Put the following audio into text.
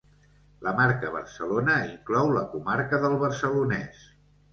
La marca Barcelona inclou la comarca del Barcelonès.